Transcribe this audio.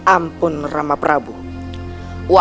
ampun rama prabu